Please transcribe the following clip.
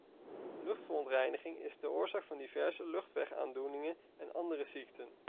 Luchtverontreiniging is de oorzaak van diverse luchtwegaandoeningen en andere ziekten.